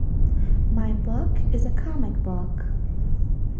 My book is a comic book.